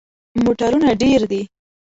موټرونه ډیر دي